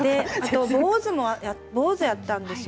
坊主頭やったんですよ。